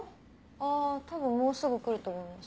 あ多分もうすぐ来ると思います。